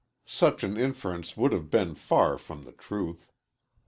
Such an inference would have been far from the truth.